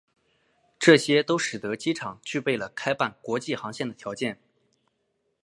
这些都使得机场具备了开办国际航线的条件。